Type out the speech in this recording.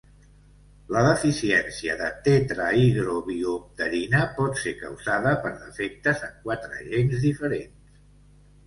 La deficiència de tetrahidrobiopterina pot ser causada per defectes en quatre gens diferents.